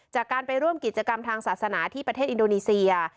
จากการไปร่วมกิจกรรมทางศาสนาที่ประเทศอินโดนีเซีย